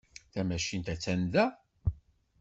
Tamacint attan da.